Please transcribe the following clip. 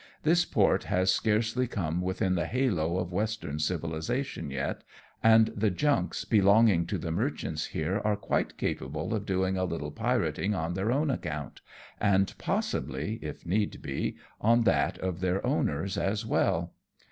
This port has scarcely come within the halo of Western civilization yet, and the junks belonging to the merchants here are quite capable of doing a little pirating on their own account, and possibly, if need be, on that of their owners as well.